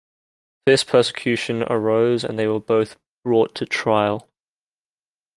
A fierce persecution arose, and they were both brought to trial.